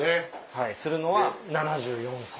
はいするのは７４歳の。